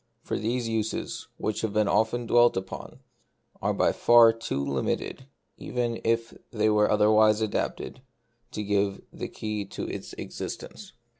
For these uses, which have been often dwelt upon, are by far too limited, even if they were otherwise adapted, to give the key to its existence.